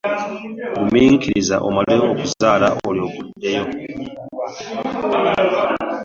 Guminkiriza omale okuzaala olyoke oddeyo.